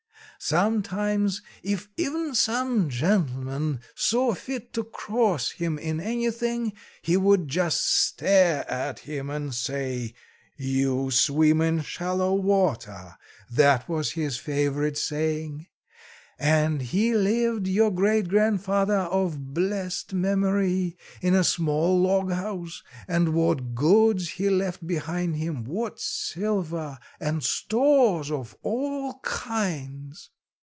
Sometimes, if even some gentleman saw fit to cross him in anything, he would just stare at him and say, "You swim in shallow water;" that was his favourite saying. And he lived, your great grandfather of blessed memory, in a small log house; and what goods he left behind him, what silver, and stores of all kinds!